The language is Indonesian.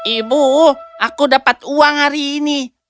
ibu aku dapat uang hari ini